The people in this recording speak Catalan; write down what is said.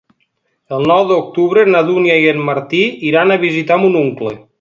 El nou d'octubre na Dúnia i en Martí iran a visitar mon oncle.